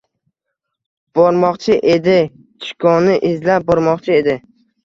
— Bormoqchi edi, Chikoni izlab bormoqchi edi.